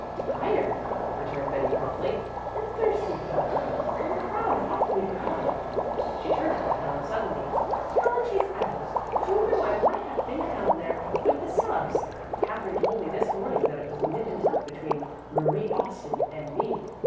"Tired," returned Betty promptly, "and thirsty, probably, and proud awfully proud." She turned upon Helen suddenly. "Helen Chase Adams, do you know I might have been down there with the subs. Katherine told me this morning that it was nip and tuck between Marie Austin and me.